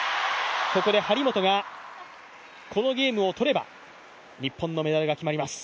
ここで張本がこのゲームを取れば、日本のメダルが決まります。